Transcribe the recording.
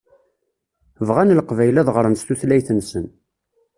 Bɣan Leqbayel ad ɣṛen s tutlayt-nsen.